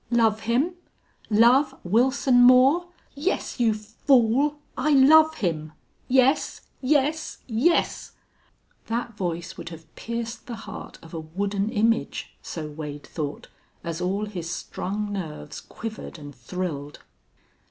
"Love him! Love Wilson Moore? Yes, you fool! I love him! Yes! Yes! YES!" That voice would have pierced the heart of a wooden image, so Wade thought, as all his strung nerves quivered and thrilled.